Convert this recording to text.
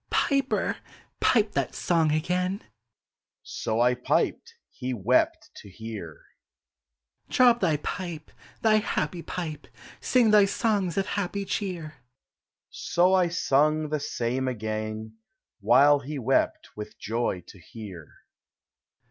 " Piper, pipe that song again :' So I piped; he wept to hear. " Drop thy pipe, thy happy pipe, Sing thy songs of happy cheer: " So I sung the same again. While he wept with joy to hear.